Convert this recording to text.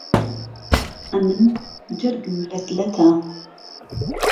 ئهمن جهرگم لەت لهته